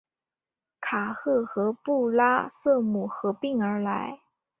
卡赫和布拉瑟姆合并而来。